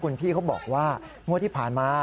คุณพี่เขาบอกว่างวดที่ผ่านมา